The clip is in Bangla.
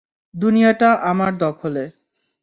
দুনিয়াটা আমার দখলে।